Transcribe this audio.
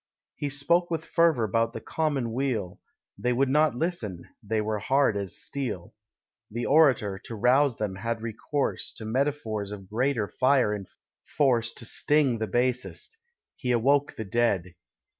He spoke with fervour 'bout the common weal; They would not listen: they were hard as steel. The Orator, to rouse them, had recourse To metaphors of greater fire and force, To sting the basest. He awoke the dead.